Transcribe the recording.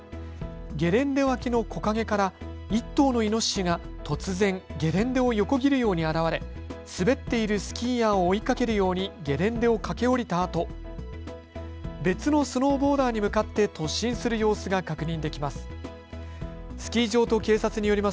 ゲレンデ脇の木陰から１頭のイノシシが突然ゲレンデを横切るように現れ、滑っているスキーヤーを追いかけるようにゲレンデを駆け下りたあと、別のスノーボーダーに向かって突進する様子が確認できます。